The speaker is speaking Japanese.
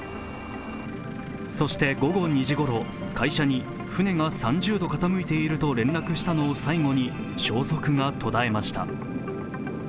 そして午後２時頃、会社に船が３０度傾いていると連絡したのを最後に消息が途絶えました。